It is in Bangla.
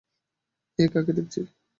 এ কাকে দেখছি।